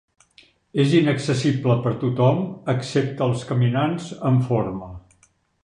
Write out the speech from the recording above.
És inaccessible per tothom, excepte els caminants en forma.